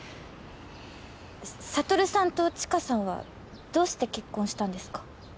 悟さんと知花さんはどうして結婚したんですか？